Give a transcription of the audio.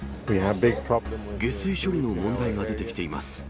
下水処理の問題が出てきています。